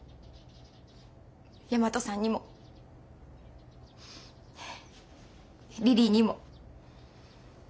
大和さんにもリリーにも。